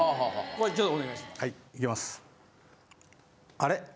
あれ？